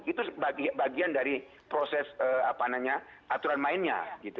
itu bagian dari proses aturan mainnya